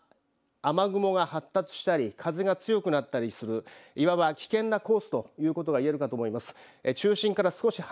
右側というのは雨雲が発達したり風が強くなったりするいわば危険なコースということが言えるかと思います。